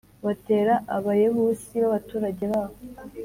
batera Abayebusi b’abaturage b’aho.